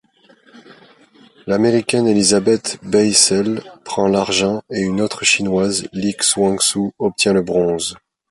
L'Américaine Elizabeth Beisel prend l'argent et une autre chinoise, Li Xuanxu obtient le bronze.